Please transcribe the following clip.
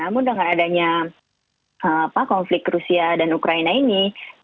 namun dengan adanya konflik rusia dan ukraina ini